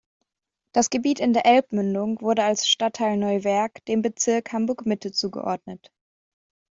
Das Gebiet in der Elbmündung wurde als Stadtteil Neuwerk dem Bezirk Hamburg-Mitte zugeordnet.